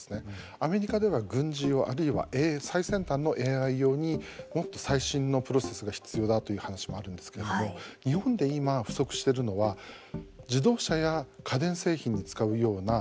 アメリカでは軍事用あるいは最先端のＡＩ用にもっと最新のプロセスが必要だという話もあるんですけれども日本で今不足しているのは自動車や家電製品に使うような